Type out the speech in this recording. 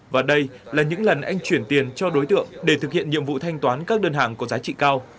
và đây là những lần anh chuyển tiền cho đối tượng để thực hiện nhiệm vụ thanh toán các đơn hàng có giá trị cao